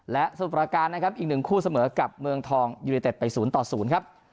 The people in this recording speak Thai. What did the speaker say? และส่วนประการนะครับอีกหนึ่งคู่เสมอกับเมืองทองยูริเต็ดไป๐๐ครับ